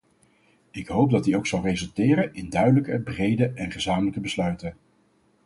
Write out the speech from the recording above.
Ik hoop dat die ook zal resulteren in duidelijke, brede en gezamenlijke besluiten.